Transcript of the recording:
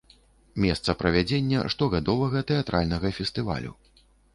Месца правядзення штогадовага тэатральнага фестывалю.